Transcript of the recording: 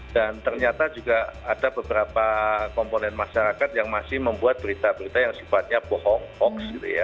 dan ternyata juga ada beberapa komponen masyarakat yang masih membuat berita berita yang sifatnya bohong hoax